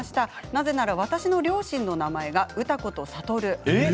なぜなら私の両親の名前がうたこ、と、さとる。